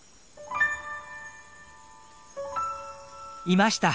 いました！